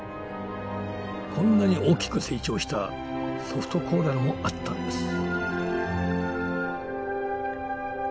こんなに大きく成長したソフトコーラルもあったんです。